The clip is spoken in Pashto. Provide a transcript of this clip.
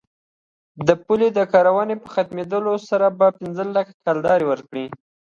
د پولې د کارونو په ختمېدلو سره به پنځه لکه کلدارې ورکړي.